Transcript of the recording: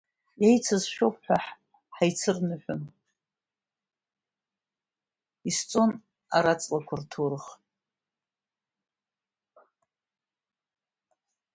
Еициз шәоуп ҳәа ҳаицырныҳәон, исҵон Араҵлақәа рҭоурых.